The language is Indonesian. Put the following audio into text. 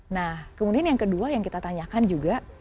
nah kemudian yang kedua yang kita tanyakan juga